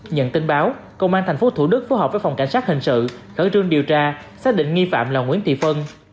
nhận tin báo công an tp thủ đức phù hợp với phòng cảnh sát hình sự khẩn trương điều tra xác định nghi phạm là nguyễn thị phân